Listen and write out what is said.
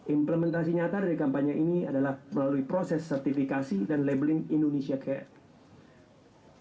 implementasi nyata dari kampanye ini adalah melalui proses sertifikasi dan labeling indonesia care